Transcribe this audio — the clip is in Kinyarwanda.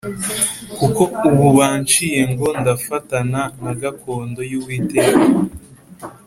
kuko ubu banciye ngo ndafatana na gakondo y’Uwiteka